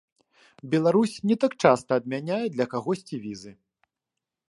Беларусь не так часта адмяняе для кагосьці візы.